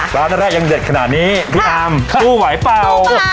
ร้านแรกยังเด็ดขนาดนี้ใช่พี่อามสู้ไหวเปล่าสู้เปล่า